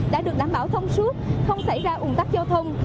đã được đảm bảo thông suốt không xảy ra ủng tắc giao thông